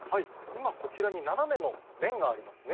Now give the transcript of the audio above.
今こちらに斜めの面がありますね。